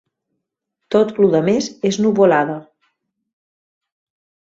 Tot lo demés és nuvolada